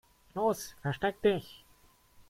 Los, versteck dich!